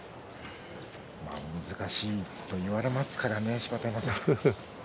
難しいと言われますからね芝田山さん。